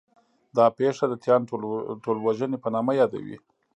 دا پېښه د 'تیان ټولوژنې' په نامه یادوي.